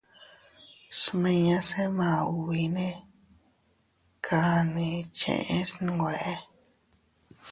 Smiñase maubine kani cheʼe snwe.